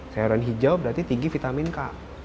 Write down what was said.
sayuran hijau berarti tinggi vitamin k